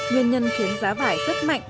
nguyên nhân khiến giá vải rất mạnh